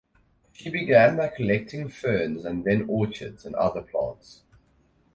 She began by collecting ferns and then orchids and other plants.